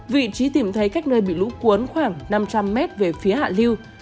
vị trí tìm thấy cách nơi bị lũ cuốn khoảng năm trăm linh m về phía hạ lưu